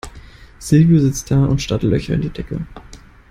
Silvio sitzt da und starrt Löcher in die Decke.